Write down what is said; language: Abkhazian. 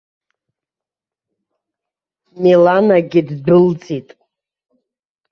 Миланагьы ддәылҵит.